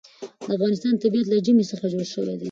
د افغانستان طبیعت له ژبې څخه جوړ شوی دی.